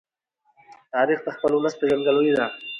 تاریخ د خپل ولس پېژندګلوۍ ده.